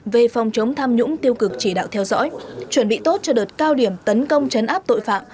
về phòng chống tham nhũng tiêu cực chỉ đạo theo dõi chuẩn bị tốt cho đợt cao điểm tấn công chấn áp tội phạm